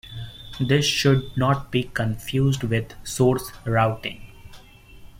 This should not be confused with source routing.